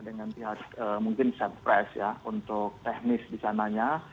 dengan pihak mungkin satpress ya untuk teknis di sananya